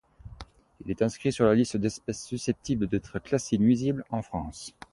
Il est inscrit sur la liste d'espèces susceptibles d'être classés nuisibles en France.